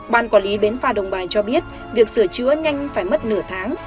ban quản lý bến phà đồng bài cho biết việc sửa chữa nhanh phải mất nửa tháng